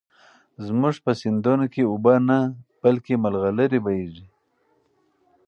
زموږ په سيندونو کې اوبه نه، بلكې ملغلرې بهېږي.